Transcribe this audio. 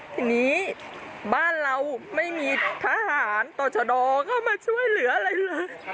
ทีนี้บ้านเราไม่มีทหารต่อชะดอเข้ามาช่วยเหลืออะไรเลย